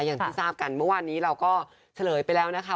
อย่างที่ทราบกันเมื่อวานนี้เราก็เฉลยไปแล้วนะคะ